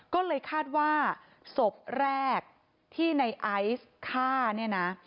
ก็เลยคาดว่าศพแรกที่ในไอซ์ฆ่าเนี่ยนะ